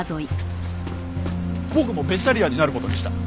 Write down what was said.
僕もベジタリアンになる事にした。